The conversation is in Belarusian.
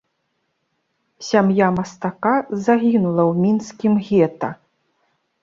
Сям'я мастака загінула ў мінскім гета.